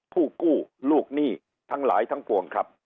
ผู้กู้ลูกหนี้ทั้งหลายทั้งปวงครับ